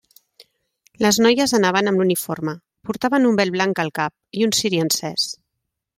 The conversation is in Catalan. Les noies anaven amb l'uniforme, portaven un vel blanc al cap, i un ciri encès.